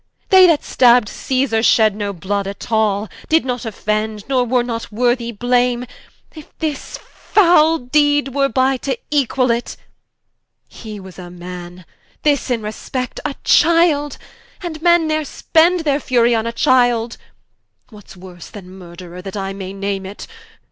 They that stabb'd Cæsar, shed no blood at all: Did not offend, nor were not worthy Blame, If this foule deed were by, to equall it. He was a Man; this (in respect) a Childe, And Men, ne're spend their fury on a Childe. What's worse then Murtherer, that I may name it?